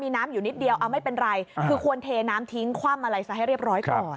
น้ำอยู่นิดเดียวเอาไม่เป็นไรคือควรเทน้ำทิ้งคว่ำอะไรซะให้เรียบร้อยก่อน